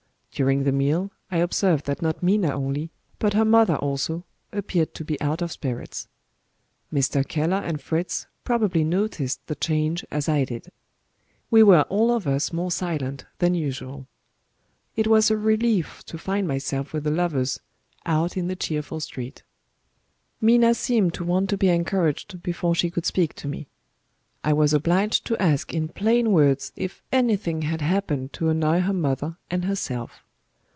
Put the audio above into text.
During the meal, I observed that not Minna only, but her mother also, appeared to be out of spirits. Mr. Keller and Fritz probably noticed the change as I did. We were all of us more silent than usual. It was a relief so find myself with the lovers, out in the cheerful street. Minna seemed to want to be encouraged before she could speak to me. I was obliged to ask in plain words if anything had happened to annoy her mother and herself.